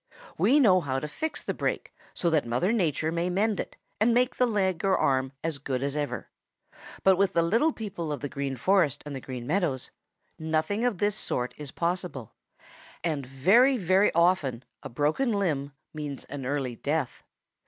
We know how to fix the break so that Mother Nature may mend it and make the leg or arm as good as ever. But with the little people of the Green Forest and the Green Meadows, nothing of this sort is possible, and very, very often a broken limb means an early death.